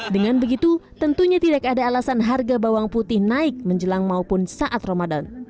dengan begitu tentunya tidak ada alasan harga bawang putih naik menjelang maupun saat ramadan